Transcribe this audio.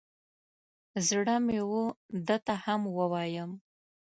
زړه مې و ده ته هم ووایم.